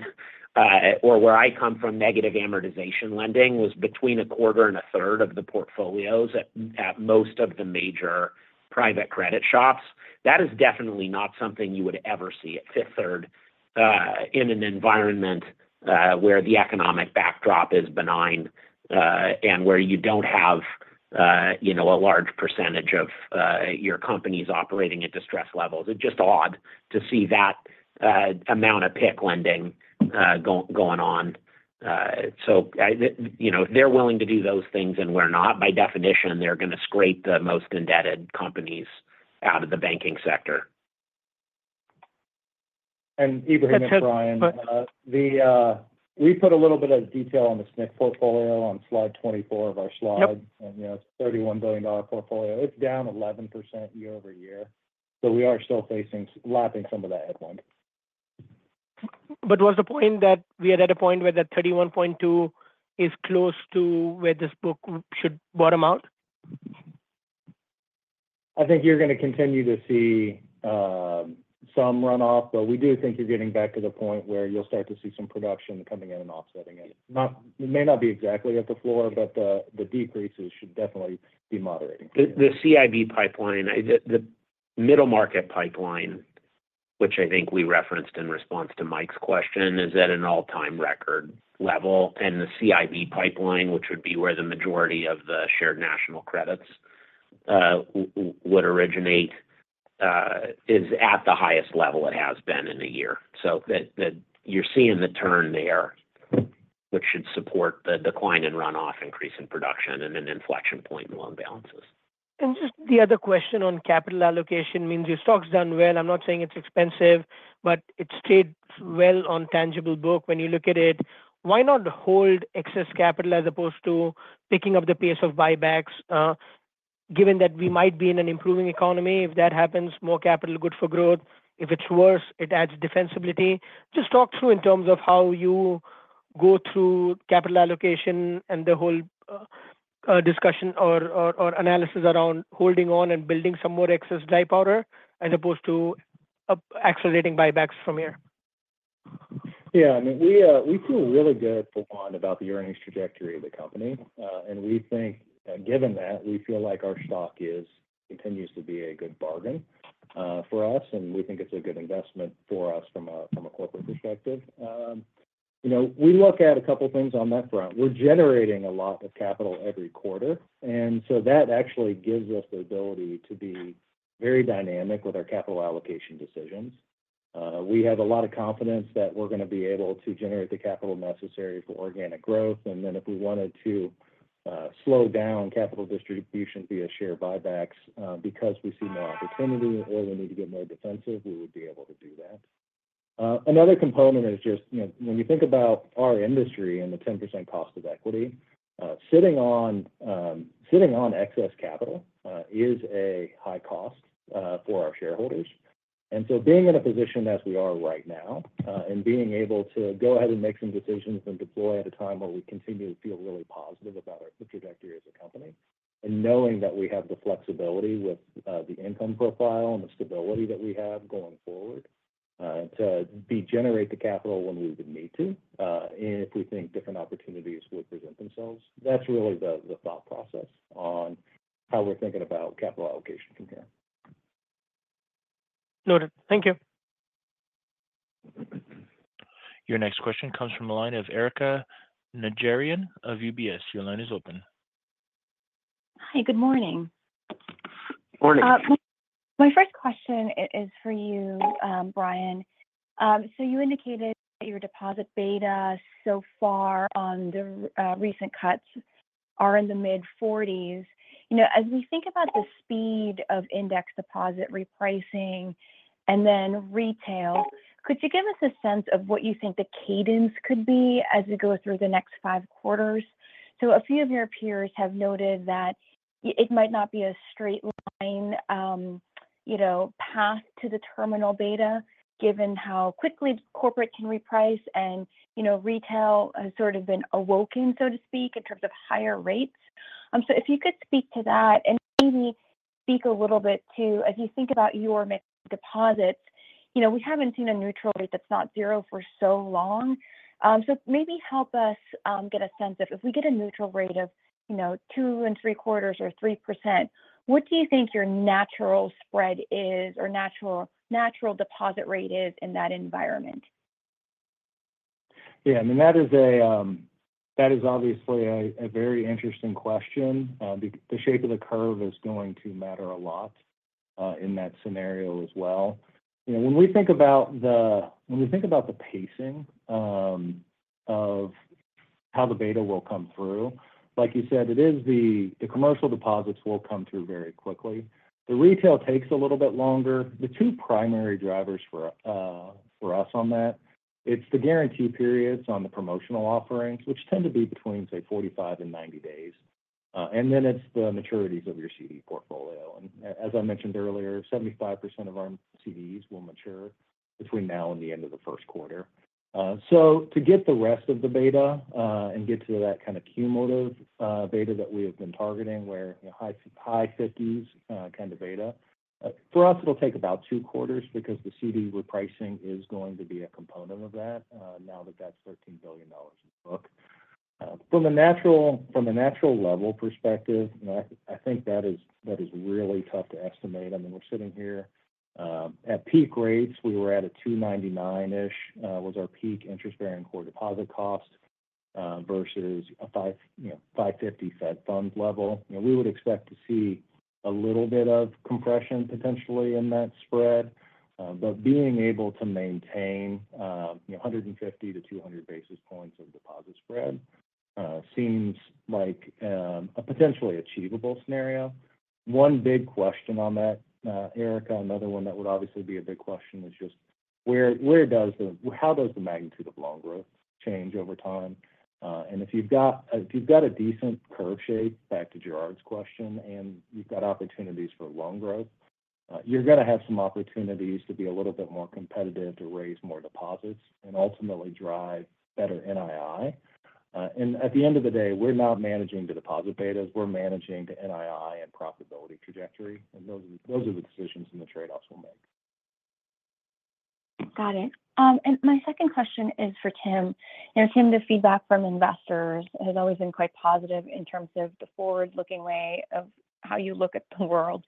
S3: or where I come from, negative amortization lending, was between a quarter and a third of the portfolios at most of the major private credit shops. That is definitely not something you would ever see at Fifth Third, in an environment where the economic backdrop is benign, and where you don't have you know, a large percentage of your companies operating at distress levels. It's just odd to see that amount of PIK lending going on. So, I you know, if they're willing to do those things and we're not, by definition, they're gonna scrape the most indebted companies out of the banking sector.
S4: Ebrahim and Bryan, we put a little bit of detail on the SNC portfolio on slide twenty-four of our slides.
S8: Yep.
S4: You know, it's a $31 billion portfolio. It's down 11% year over year, so we are still facing lapping some of that headwind.
S8: But was the point that we are at a point where that 31.2 is close to where this book should bottom out?
S4: I think you're gonna continue to see some runoff, but we do think you're getting back to the point where you'll start to see some production coming in and offsetting it. It may not be exactly at the floor, but the decreases should definitely be moderating.
S3: The CIB pipeline, the middle market pipeline, which I think we referenced in response to Mike's question, is at an all-time record level. And the CIB pipeline, which would be where the majority of the shared national credits would originate, is at the highest level it has been in a year. So that you're seeing the turn there, which should support the decline in runoff, increase in production, and an inflection point in loan balances.
S8: Just the other question on capital allocation means your stock's done well. I'm not saying it's expensive, but it's stayed well on tangible book when you look at it. Why not hold excess capital as opposed to picking up the pace of buybacks, given that we might be in an improving economy? If that happens, more capital, good for growth. If it's worse, it adds defensibility. Just talk through in terms of how you go through capital allocation and the whole discussion or analysis around holding on and building some more excess dry powder as opposed to accelerating buybacks from here.
S4: Yeah, I mean, we, we feel really good full on about the earnings trajectory of the company. And we think, given that, we feel like our stock is continues to be a good bargain, for us, and we think it's a good investment for us from a corporate perspective. You know, we look at a couple things on that front. We're generating a lot of capital every quarter, and so that actually gives us the ability to be very dynamic with our capital allocation decisions. We have a lot of confidence that we're gonna be able to generate the capital necessary for organic growth. And then if we wanted to, slow down capital distribution via share buybacks, because we see more opportunity or we need to get more defensive, we would be able to do that. Another component is just, you know, when you think about our industry and the 10% cost of equity, sitting on excess capital is a high cost for our shareholders. So being in a position as we are right now, and being able to go ahead and make some decisions and deploy at a time where we continue to feel really positive about the trajectory as a company, and knowing that we have the flexibility with the income profile and the stability that we have going forward, to regenerate the capital when we would need to, and if we think different opportunities would present themselves. That's really the thought process on how we're thinking about capital allocation from here.
S8: Noted. Thank you.
S1: Your next question comes from the line of Erika Najarian of UBS. Your line is open.
S9: Hi, good morning.
S4: Morning.
S9: My first question is for you, Bryan, so you indicated that your deposit beta so far on the recent cuts are in the mid-forties. You know, as we think about the speed of index deposit repricing and then retail, could you give us a sense of what you think the cadence could be as we go through the next five quarters, so a few of your peers have noted that it might not be a straight line, you know, path to the terminal beta, given how quickly corporate can reprice and, you know, retail has sort of been awoken, so to speak, in terms of higher rates, so if you could speak to that and maybe speak a little bit to, as you think about your mixed deposits, you know, we haven't seen a neutral rate that's not zero for so long. So maybe help us get a sense of if we get a neutral rate of, you know, 2.75% or 3%, what do you think your natural spread is or natural deposit rate is in that environment?
S4: Yeah, I mean, that is obviously a very interesting question. The shape of the curve is going to matter a lot in that scenario as well. You know, when we think about the pacing of how the beta will come through, like you said, it is the commercial deposits will come through very quickly. The retail takes a little bit longer. The two primary drivers for us on that, it's the guarantee periods on the promotional offerings, which tend to be between, say, 45 and 90 days, and then it's the maturities of your CD portfolio. And as I mentioned earlier, 75% of our CDs will mature between now and the end of the first quarter. So to get the rest of the beta and get to that kind of cumulative beta that we have been targeting, where, you know, high fifties kind of beta for us, it'll take about two quarters because the CD repricing is going to be a component of that, now that that's $13 billion in book. From a natural level perspective, you know, I think that is really tough to estimate. I mean, we're sitting here at peak rates, we were at a 2.99-ish was our peak interest bearing core deposit cost versus a five, you know, 5.50 Fed funds level. You know, we would expect to see a little bit of compression potentially in that spread. But being able to maintain, you know, 150-200 basis points of deposit spread seems like a potentially achievable scenario. One big question on that, Erika, another one that would obviously be a big question is just where does the how does the magnitude of loan growth change over time? And if you've got a decent curve shape, back to Gerard's question, and you've got opportunities for loan growth, you're gonna have some opportunities to be a little bit more competitive to raise more deposits and ultimately drive better NII. And at the end of the day, we're not managing the deposit betas, we're managing the NII and profitability trajectory, and those are the decisions and the trade-offs we'll make.
S9: Got it. And my second question is for Tim. You know, Tim, the feedback from investors has always been quite positive in terms of the forward-looking way of how you look at the world.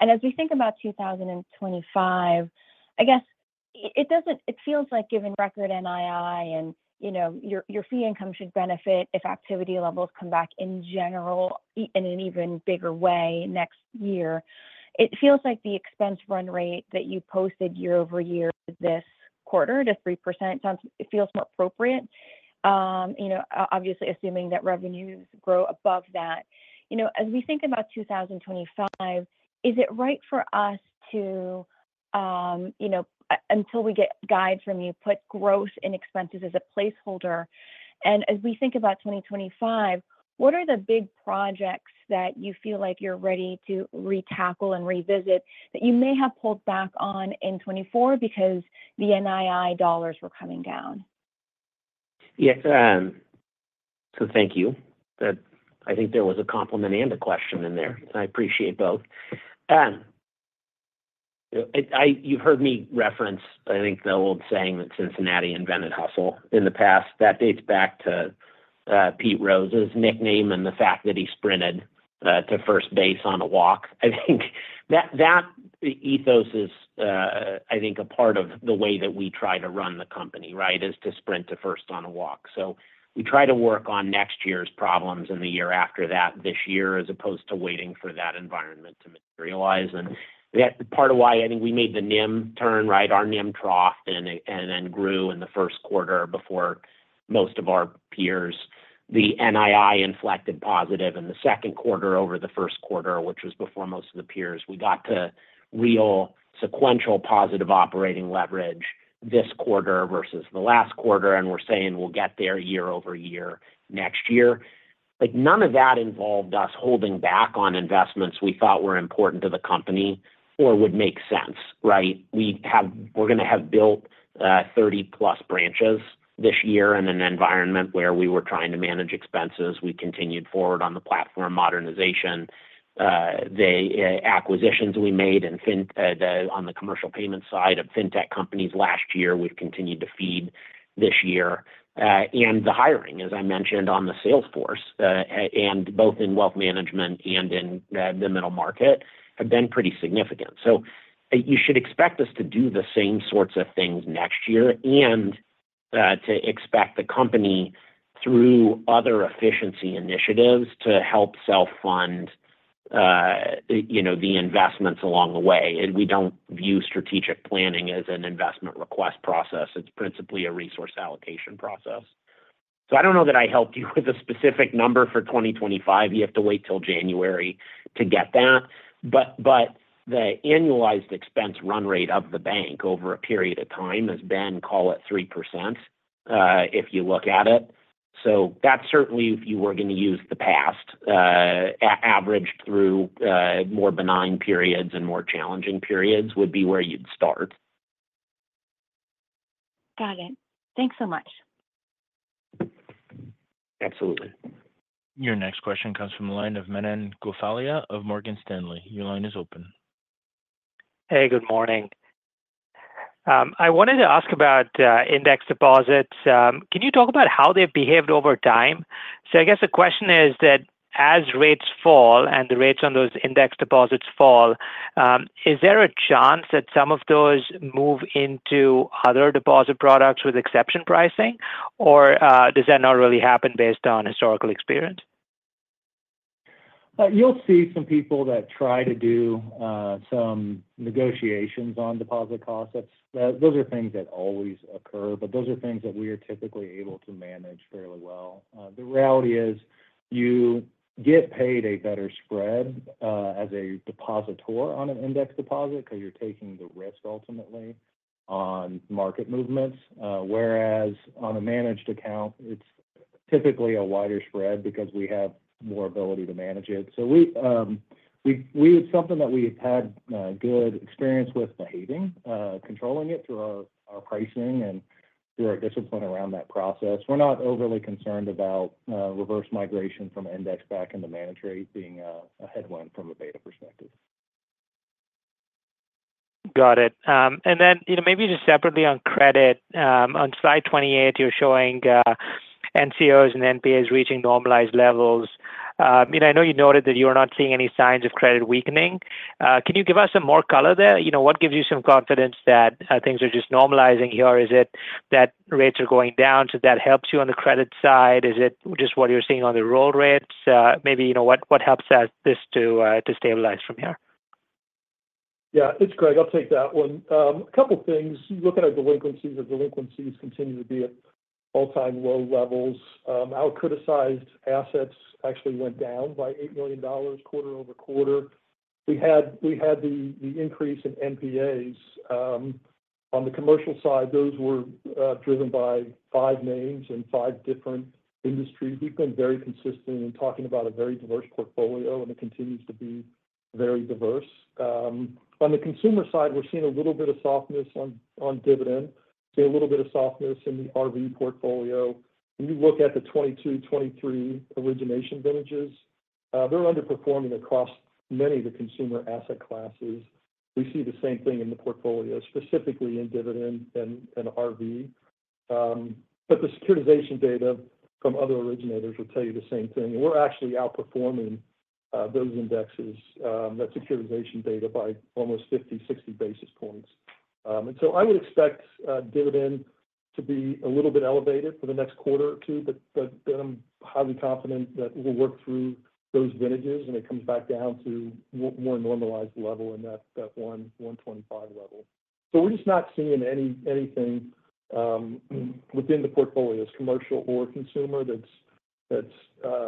S9: And as we think about two thousand and twenty-five, I guess it, it feels like given record NII and, you know, your, your fee income should benefit if activity levels come back in general, in an even bigger way next year. It feels like the expense run rate that you posted year over year this quarter to 3% sounds, it feels more appropriate. You know, obviously, assuming that revenues grow above that. You know, as we think about two thousand and twenty-five, is it right for us to, you know, until we get guide from you, put growth in expenses as a placeholder? As we think about 2025, what are the big projects that you feel like you're ready to retackle and revisit that you may have pulled back on in 2024 because the NII dollars were coming down?
S3: Yes. So thank you. That. I think there was a compliment and a question in there, and I appreciate both. It. You've heard me reference, I think, the old saying that Cincinnati invented hustle in the past. That dates back to, Pete Rose's nickname and the fact that he sprinted, to first base on a walk. I think that, that ethos is, I think a part of the way that we try to run the company, right? Is to sprint to first on a walk. So we try to work on next year's problems and the year after that this year, as opposed to waiting for that environment to materialize. And that's part of why I think we made the NIM turn, right, our NIM trough, and then grew in the first quarter before most of our peers. The NII inflected positive in the second quarter over the first quarter, which was before most of the peers. We got to real sequential positive operating leverage this quarter versus the last quarter, and we're saying we'll get there year over year next year. But none of that involved us holding back on investments we thought were important to the company or would make sense, right? We have we're gonna have built thirty-plus branches this year in an environment where we were trying to manage expenses. We continued forward on the platform modernization. The acquisitions we made in fintech on the commercial payment side of fintech companies last year, we've continued to feed this year. And the hiring, as I mentioned, on the sales force and both in wealth management and in the middle market, have been pretty significant. So you should expect us to do the same sorts of things next year, and to expect the company through other efficiency initiatives to help self-fund, you know, the investments along the way. And we don't view strategic planning as an investment request process, it's principally a resource allocation process. So I don't know that I helped you with a specific number for twenty twenty-five. You have to wait till January to get that. But the annualized expense run rate of the bank over a period of time, as has been call it, 3%, if you look at it. So that certainly, if you were going to use the past, averaged through more benign periods and more challenging periods, would be where you'd start.
S9: Got it. Thanks so much.
S3: Absolutely.
S1: Your next question comes from the line of Manan Gosalia of Morgan Stanley. Your line is open.
S10: Hey, good morning. I wanted to ask about index deposits. Can you talk about how they've behaved over time? So I guess the question is that as rates fall and the rates on those index deposits fall, is there a chance that some of those move into other deposit products with exception pricing? Or, does that not really happen based on historical experience?
S4: You'll see some people that try to do some negotiations on deposit costs. That's. Those are things that always occur, but those are things that we are typically able to manage fairly well. The reality is, you get paid a better spread as a depositor on an index deposit, because you're taking the risk ultimately on market movements. Whereas on a managed account, it's typically a wider spread because we have more ability to manage it. So it's something that we've had good experience with it behaving, controlling it through our pricing and through our discipline around that process. We're not overly concerned about reverse migration from index back into managed rate being a headwind from a beta perspective.
S10: Got it. And then, you know, maybe just separately on credit. On slide 28, you're showing NCOs and NPAs reaching normalized levels. I mean, I know you noted that you are not seeing any signs of credit weakening. Can you give us some more color there? You know, what gives you some confidence that things are just normalizing here? Is it that rates are going down, so that helps you on the credit side? Is it just what you're seeing on the roll rates? Maybe, you know, what helps us to stabilize from here?
S11: Yeah, it's Greg. I'll take that one. A couple things. You look at our delinquencies; they continue to be at all-time low levels. Our criticized assets actually went down by $8 million quarter over quarter. We had the increase in NPAs. On the commercial side, those were driven by five names in five different industries. We've been very consistent in talking about a very diverse portfolio, and it continues to be very diverse. On the consumer side, we're seeing a little bit of softness on Dividend. We're seeing a little bit of softness in the RV portfolio. When you look at the 2022, 2023 origination vintages, they're underperforming across many of the consumer asset classes. We see the same thing in the portfolio, specifically in Dividend and RV. But the securitization data from other originators will tell you the same thing. We're actually outperforming those indexes, that securitization data by almost 50-60 basis points. And so I would expect delinquency to be a little bit elevated for the next quarter or two, but I'm highly confident that we'll work through those vintages when it comes back down to more normalized level in that 125 level. So we're just not seeing anything within the portfolios, commercial or consumer, that's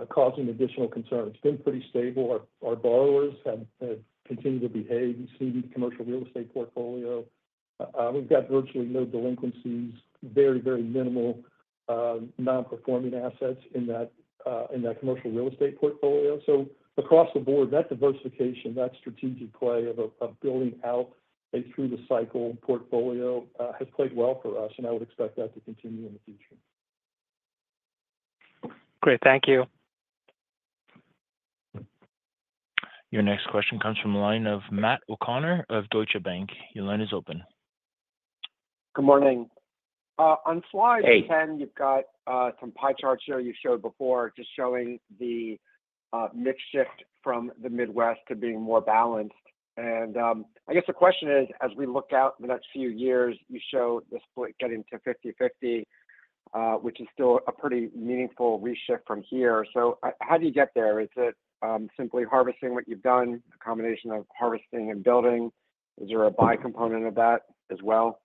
S11: causing additional concern. It's been pretty stable. Our borrowers have continued to behave. We see the commercial real estate portfolio. We've got virtually no delinquencies, very, very minimal non-performing assets in that commercial real estate portfolio. So across the board, that diversification, that strategic play of building out a through the cycle portfolio has played well for us, and I would expect that to continue in the future.
S10: Great. Thank you.
S1: Your next question comes from the line of Matt O'Connor of Deutsche Bank. Your line is open.
S12: Good morning. On slide 10, you've got some pie charts here you showed before, just showing the mix shift from the Midwest to being more balanced. I guess the question is, as we look out the next few years, you show the split getting to 50/50, which is still a pretty meaningful reshift from here. So how do you get there? Is it simply harvesting what you've done, a combination of harvesting and building? Is there a buy component of that as well?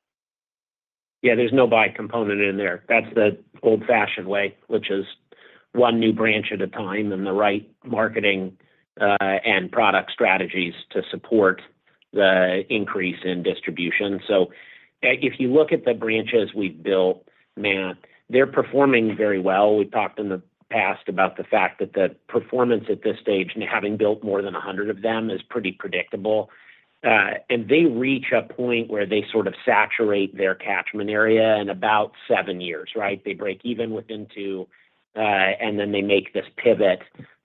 S11: Yeah, there's no buy component in there. That's the old-fashioned way, which is one new branch at a time and the right marketing and product strategies to support the increase in distribution. So if you look at the branches we've built, Matt, they're performing very well. We've talked in the past about the fact that the performance at this stage, and having built more than 100 of them, is pretty predictable. And they reach a point where they sort of saturate their catchment area in about seven years, right? They break even within two, and then they make this pivot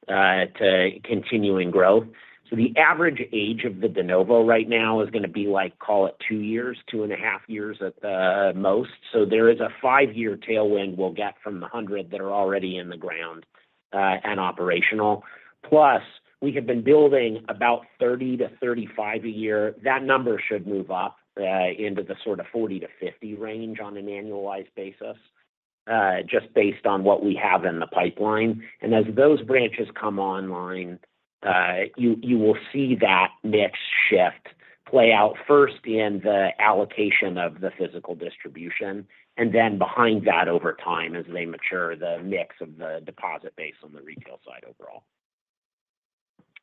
S11: to continuing growth. So the average age of the de novo right now is going to be like, call it two years, two and a half years at the most. So there is a five-year tailwind we'll get from the 100 that are already in the ground, and operational. Plus, we have been building about 30-35 a year. That number should move up, into the sort of 40-50 range on an annualized basis, just based on what we have in the pipeline. And as those branches come online, you will see that mix shift play out first in the allocation of the physical distribution, and then behind that, over time, as they mature, the mix of the deposit base on the retail side overall.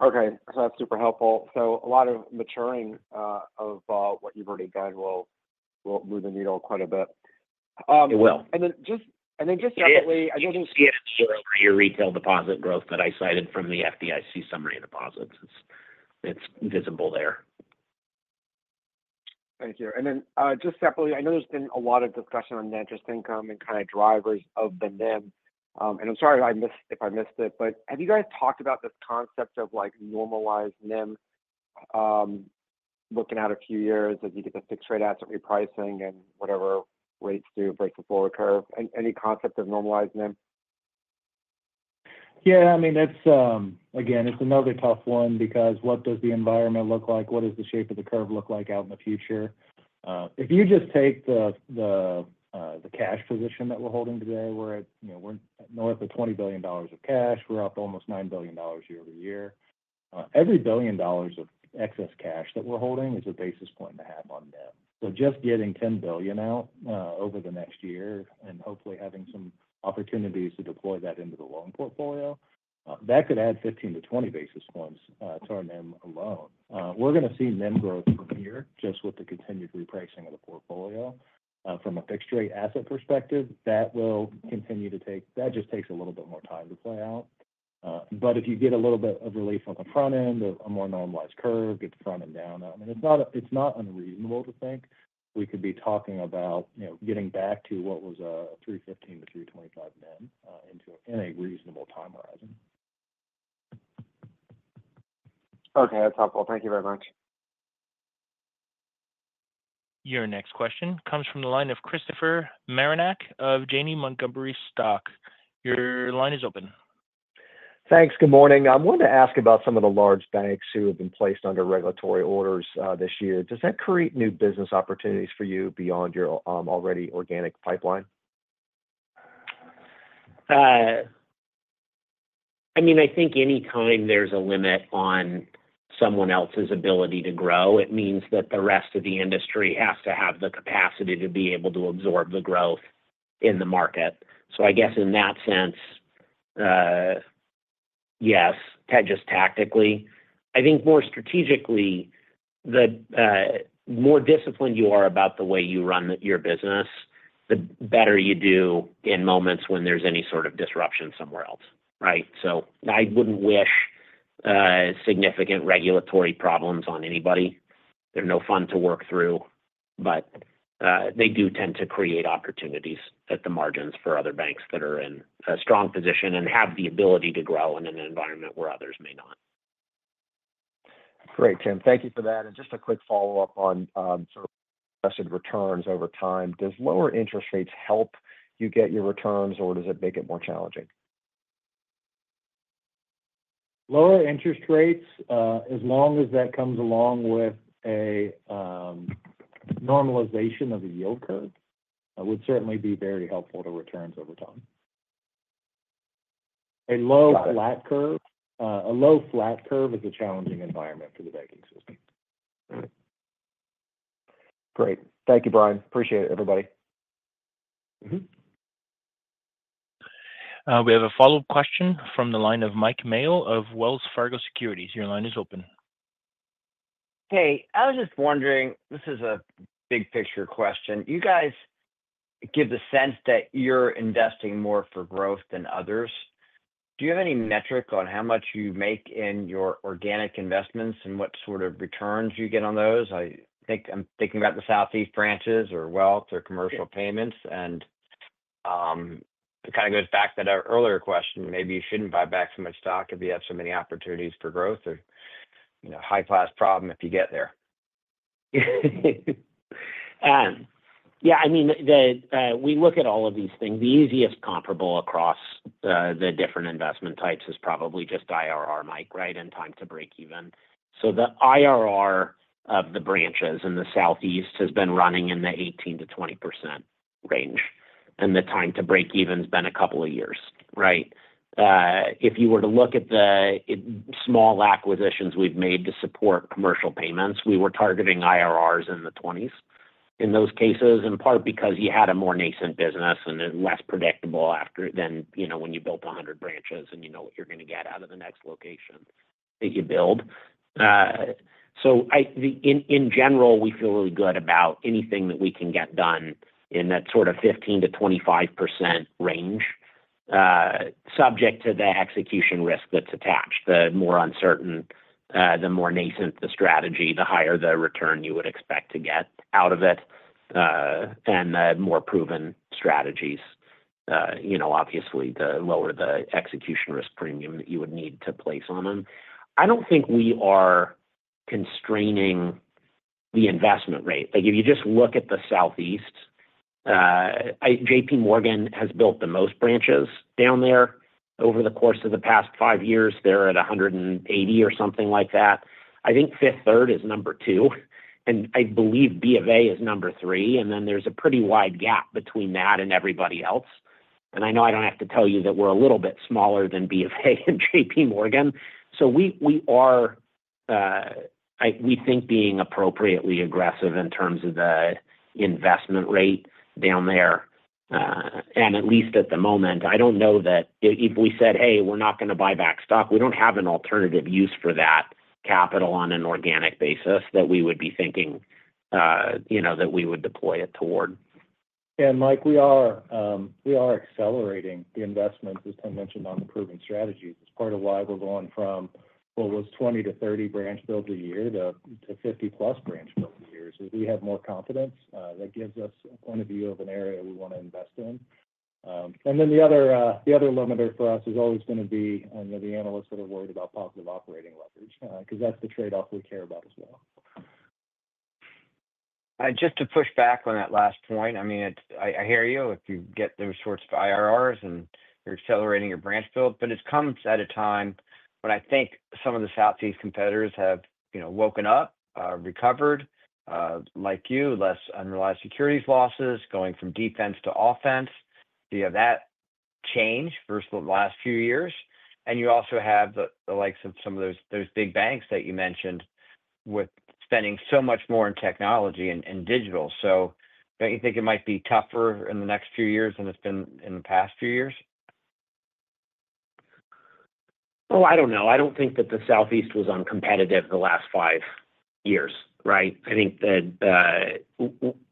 S12: Okay, so that's super helpful, so a lot of maturing of what you've already done will move the needle quite a bit.
S11: It will.
S12: And then separately, I just
S11: Yes. Sure, for your retail deposit growth that I cited from the FDIC summary deposits. It's visible there.
S12: Thank you. And then, just separately, I know there's been a lot of discussion on the interest income and kind of drivers of the NIM. And I'm sorry if I missed it, but have you guys talked about this concept of, like, normalized NIM, looking out a few years as you get the fixed rate out, repricing and whatever rates do, break the forward curve? Any concept of normalizing NIM?
S4: Yeah, I mean, it's another tough one because what does the environment look like? What does the shape of the curve look like out in the future? If you just take the cash position that we're holding today, we're at, you know, we're north of $20 billion of cash. We're up almost $9 billion year over year. Every $1 billion of excess cash that we're holding is 1.5 basis points on NIM. So just getting $10 billion out over the next year and hopefully having some opportunities to deploy that into the loan portfolio, that could add 15-20 basis points to our NIM alone. We're going to see NIM growth from here, just with the continued repricing of the portfolio. From a fixed rate asset perspective, that just takes a little bit more time to play out. But if you get a little bit of relief on the front end, a more normalized curve, get the front end down. I mean, it's not unreasonable to think we could be talking about, you know, getting back to what was a 3.15 to 3.25 NIM in a reasonable time horizon.
S12: Okay, that's helpful. Thank you very much. ...
S1: Your next question comes from the line of Christopher Marinac of Janney Montgomery Scott. Your line is open.
S13: Thanks. Good morning. I wanted to ask about some of the large banks who have been placed under regulatory orders this year. Does that create new business opportunities for you beyond your already organic pipeline?
S3: I mean, I think any time there's a limit on someone else's ability to grow, it means that the rest of the industry has to have the capacity to be able to absorb the growth in the market. So I guess in that sense, yes, just tactically. I think more strategically, the more disciplined you are about the way you run your business, the better you do in moments when there's any sort of disruption somewhere else, right? So I wouldn't wish significant regulatory problems on anybody. They're no fun to work through, but they do tend to create opportunities at the margins for other banks that are in a strong position and have the ability to grow in an environment where others may not.
S13: Great, Tim. Thank you for that. And just a quick follow-up on sort of returns over time. Does lower interest rates help you get your returns, or does it make it more challenging?
S4: Lower interest rates, as long as that comes along with a normalization of the yield curve, would certainly be very helpful to returns over time. A low flat curve is a challenging environment for the banking system.
S13: Great. Thank you, Bryan. Appreciate it, everybody.
S4: Mm-hmm.
S1: We have a follow-up question from the line of Mike Mayo of Wells Fargo Securities. Your line is open.
S7: Hey, I was just wondering. This is a big picture question. You guys give the sense that you're investing more for growth than others. Do you have any metric on how much you make in your organic investments and what sort of returns you get on those? I think, I'm thinking about the Southeast branches or wealth or commercial payments, and it kind of goes back to that earlier question. Maybe you shouldn't buy back so much stock if you have so many opportunities for growth or, you know, high-class problem if you get there.
S3: Yeah, I mean, the we look at all of these things. The easiest comparable across the different investment types is probably just IRR, Mike, right? And time to break even. So the IRR of the branches in the Southeast has been running in the 18%-20% range, and the time to break even has been a couple of years, right? If you were to look at the small acquisitions we've made to support commercial payments, we were targeting IRRs in the 20s in those cases, and partly because you had a more nascent business and less predictable outcome than, you know, when you built 100 branches and you know what you're going to get out of the next location that you build. So, in general, we feel really good about anything that we can get done in that sort of 15%-25% range, subject to the execution risk that's attached. The more uncertain, the more nascent the strategy, the higher the return you would expect to get out of it. And the more proven strategies, you know, obviously, the lower the execution risk premium that you would need to place on them. I don't think we are constraining the investment rate. Like, if you just look at the Southeast, JPMorgan has built the most branches down there over the course of the past five years. They're at 180 or something like that. I think Fifth Third is number two, and I believe B of A is number three, and then there's a pretty wide gap between that and everybody else. And I know I don't have to tell you that we're a little bit smaller than B of A and JPMorgan. So we are, we think being appropriately aggressive in terms of the investment rate down there. And at least at the moment, I don't know that if we said, "Hey, we're not going to buy back stock," we don't have an alternative use for that capital on an organic basis that we would be thinking, you know, that we would deploy it toward.
S4: And Mike, we are accelerating the investment, as Tim mentioned, on the proven strategies. It's part of why we're going from what was twenty to thirty branch builds a year to fifty plus branch builds a year. So we have more confidence that gives us a point of view of an area we want to invest in. And then the other limiter for us is always gonna be on the analysts that are worried about positive operating leverage, because that's the trade-off we care about as well.
S7: Just to push back on that last point, I mean, it's I hear you. If you get those sorts of IRRs, and you're accelerating your branch build, but it comes at a time when I think some of the Southeast competitors have, you know, woken up, recovered, like you, less unrealized securities losses, going from defense to offense. You have that change versus the last few years, and you also have the, the likes of some of those, those big banks that you mentioned with spending so much more in technology and, and digital. So don't you think it might be tougher in the next few years than it's been in the past few years?
S3: Oh, I don't know. I don't think that the Southeast was uncompetitive the last five years, right? I think that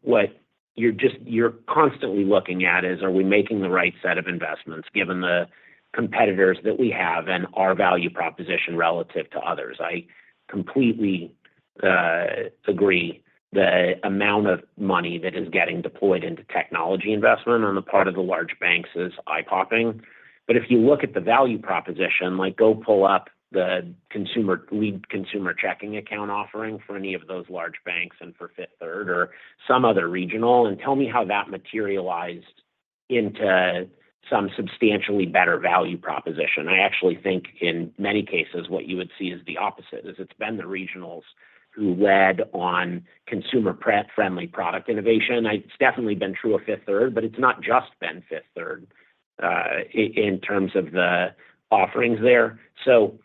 S3: what you're constantly looking at is, are we making the right set of investments, given the competitors that we have and our value proposition relative to others? I completely agree the amount of money that is getting deployed into technology investment on the part of the large banks is eye-popping. But if you look at the value proposition, like, go pull up the consumer-led consumer checking account offering for any of those large banks and for Fifth Third or some other regional, and tell me how that materialized into some substantially better value proposition. I actually think in many cases, what you would see is the opposite, is it's been the regionals who led on consumer-friendly product innovation. It's definitely been true of Fifth Third, but it's not just been Fifth Third, in terms of the offerings there. So,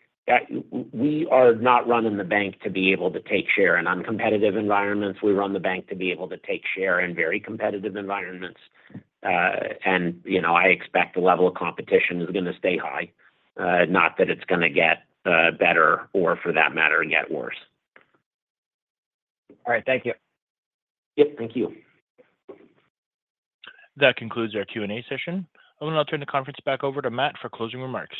S3: we are not running the bank to be able to take share in uncompetitive environments. We run the bank to be able to take share in very competitive environments. And, you know, I expect the level of competition is going to stay high, not that it's going to get better or, for that matter, get worse.
S7: All right. Thank you.
S3: Yep, thank you.
S1: That concludes our Q&A session. I'm going to turn the conference back over to Matt for closing remarks.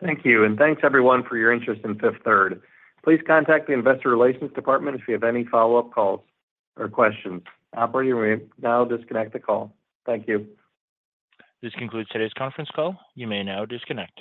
S2: Thank you, and thanks, everyone, for your interest in Fifth Third. Please contact the Investor Relations Department if you have any follow-up calls or questions. Operator, you may now disconnect the call. Thank you.
S1: This concludes today's conference call. You may now disconnect.